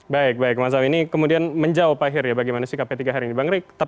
baik baik mas zawini kemudian menjauh pak hir bagaimana sikap p tiga hari ini bang rik